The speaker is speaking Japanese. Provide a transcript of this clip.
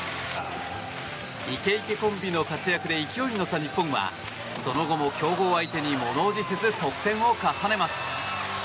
池池コンビの活躍で勢いに乗った日本はその後も強豪相手に物おじせず得点を重ねます。